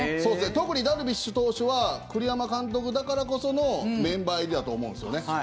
特にダルビッシュ投手は栗山監督だからこそのメンバー入りだと思うんですよね。